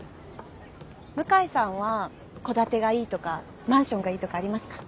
向井さんは戸建てがいいとかマンションがいいとかありますか？